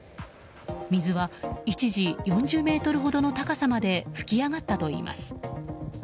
水は一時４０ｍほどの高さまで噴き上がったといいます。